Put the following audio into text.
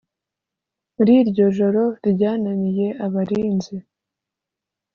Muri iryo joro ryananiye abarinzi